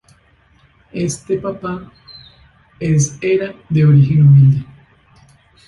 Este Papa es era de origen humilde.